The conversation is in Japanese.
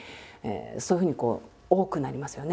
そういうふうにこう多くなりますよね。